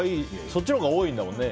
そっちのほうが多いんだもんね。